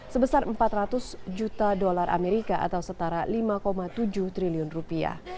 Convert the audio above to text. sebesar empat ratus juta dolar amerika atau setara lima tujuh triliun rupiah